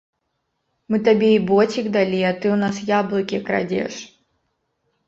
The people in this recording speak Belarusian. Мы табе і боцік далі, а ты ў нас яблыкі крадзеш!